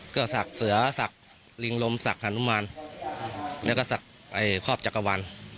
ก็ศักดิ์เสือศักดิ์ลิงลมศักดิฮานุมานแล้วก็ศักดิ์ครอบจักรวาล